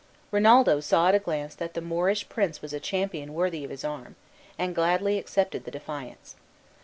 Rinaldo saw at a glance that the Moorish prince was a champion worthy of his arm, and gladly accepted the defiance.